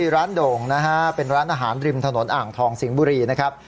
โด่งนะฮะเป็นร้านอาหารริมถนนอ่างทองสิงห์บุรีนะครับ